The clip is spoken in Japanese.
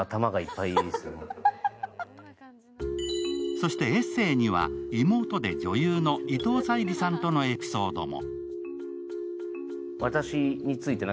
そしてエッセイには、妹で女優の伊藤沙莉さんとのエピソードも。